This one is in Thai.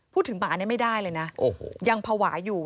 หมานี่ไม่ได้เลยนะยังภาวะอยู่